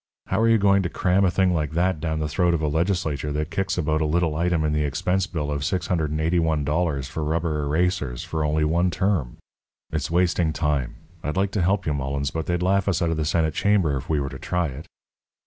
How are you going to cram a thing like that down the throat of a legislature that kicks about a little item in the expense bill of six hundred and eighty one dollars for rubber erasers for only one term? It's wasting time. I'd like to help you, Mullens, but they'd laugh us out of the Senate chamber if we were to try it."